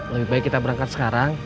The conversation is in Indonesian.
lebih baik kita berangkat sekarang